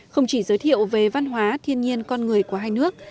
không chỉ giới thiệu về văn hóa thiên nhiên con người của hai nước